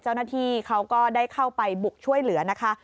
เจ้าหน้าที่เขาก็ได้เข้าไปบุกช่วยเหลือนะคะ